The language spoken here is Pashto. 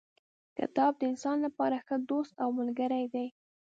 کتاب د انسان لپاره ښه دوست او ملګری دی.